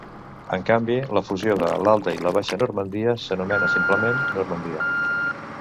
En canvi, la fusió de l'Alta i la Baixa Normandia s'anomena simplement Normandia.